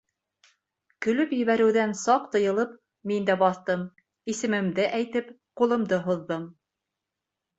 Көлөп ебәреүҙән саҡ тыйылып мин дә баҫтым, исемемде әйтеп, ҡулымды һуҙҙым.